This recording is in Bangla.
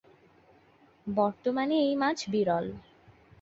বর্তমানে এই মাছ বিরল।